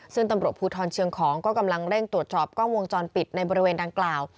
ซึ่งตำรวจภูทรเชียงของก็กำลังเร่งตรวจสอบกล้องวงจรปิดในบริเวณดังกล่าว